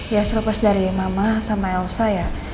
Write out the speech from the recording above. ya selepas dari mama sama elsa ya